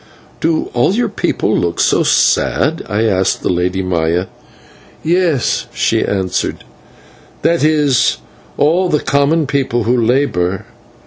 "Do all your people look so sad?" I asked the Lady Maya. "Yes," she answered, "that is, all the common people who labour.